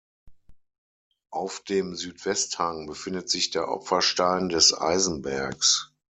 Auf dem Südwesthang befindet sich der Opferstein des Eisenbergs.